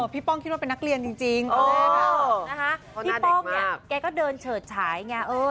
พี่ป้องเนี่ยแกก็เดินเฉิดฉายไง